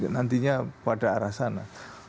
nantinya pada arah sana